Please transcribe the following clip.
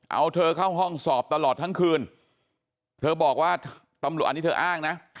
เอาเธอเข้าห้องสอบตลอดทั้งคืนเธอบอกว่าตำรวจอันนี้เธออ้างนะ